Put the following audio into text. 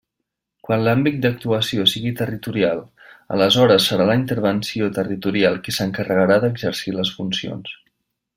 Quan l'àmbit d'actuació sigui territorial, aleshores serà la intervenció territorial qui s'encarregarà d'exercir les funcions.